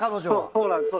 そうなんです。